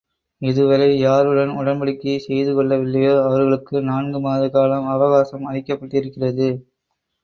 இதுவரை யாருடன் உடன்படிக்கை செய்து கொள்ளவில்லையோ, அவர்களுக்கு நான்கு மாத கால அவகாசம் அளிக்கப்பட்டிருக்கிறது.